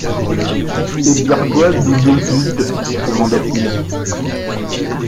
Et birquoi doud te zuite ?… demanda-t-il.